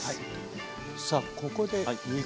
さあここで肉。